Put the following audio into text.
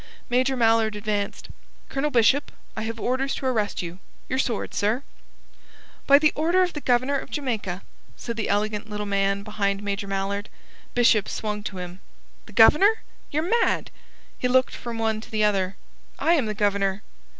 Major Mallard advanced. "Colonel Bishop, I have orders to arrest you. Your sword, sir!" "By order of the Governor of Jamaica," said the elegant little man behind Major Mallard. Bishop swung to him. "The Governor? Ye're mad!" He looked from one to the other. "I am the Governor."